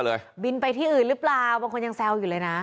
หรือบ๊ายบินไปที่อื่นรึเปล่าบางคนยังเส้าอยู่เลยนะ